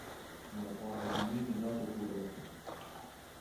يا طاهريين لا طهور لكم